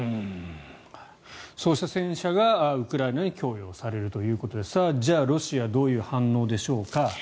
そうした戦車がウクライナに供与されるということでじゃあ、ロシアはどういう反応でしょうか。